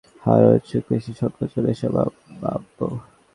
আমরা আপনার রক্তচাপ, শ্বাসের হার, অনৈচ্ছিক পেশি সংকোচন এসব মাপবো।